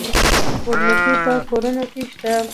سپوږمکۍ په کورونو کې شته.